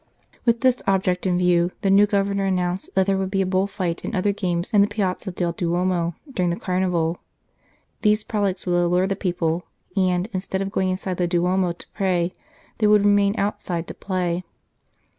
With this object in view, the new Governor announced that there would be a bull fight and other games in the Piazza del Duomo during the carnival. These frolics would allure the people, and, instead of going inside the Duomo to pray, they would remain outside to play.